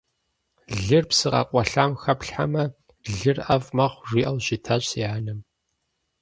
Лыр псы къэкъуалъэм хэплъхьэмэ – лыр ӀэфӀ мэхъу, жиӀэу щытащ си анэм.